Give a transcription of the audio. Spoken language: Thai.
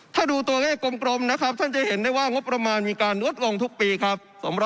ถ้าดูตัวเลขกลมนะครับท่านจะเห็นได้ว่างบประมาณมีการลดลงทุกปีครับ